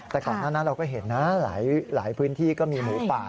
แต่ก่อนหน้านั้นเราก็เห็นนะหลายพื้นที่ก็มีหมูป่า